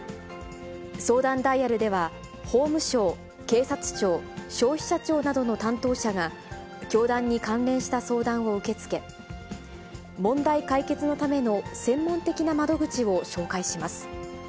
相談ダイヤルでは、法務省、警察庁、消費者庁などの担当者が、教団に関連した相談を受け付け、問題解決のための専門的な窓口を紹介します。